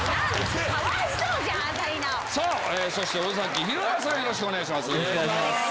よろしくお願いします。